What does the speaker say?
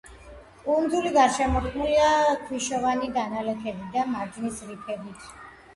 კუნძული გარშემორტყმულია ქვიშოვანი დანალექებით და მარჯნის რიფებით.